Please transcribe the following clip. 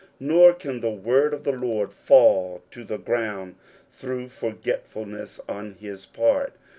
Nor can the word of the Lord fall to the ground through forgetfulness on his part.